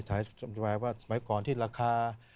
ถ่ายอธิบายว่าสมัยก่อนที่ราคา